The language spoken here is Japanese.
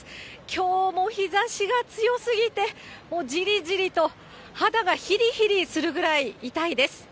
きょうも日ざしが強すぎて、じりじりと肌がひりひりするぐらい痛いです。